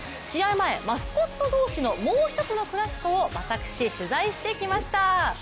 前、マスコット同士のもう一つのクラシコを私、取材してきました。